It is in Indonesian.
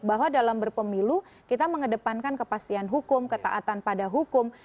bahwa dalam berpemilu kita mengedepankan kepastian hukum ketaatan pada hukum